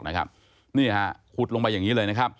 นี่ครับขุดลงไปอย่างนี้เลย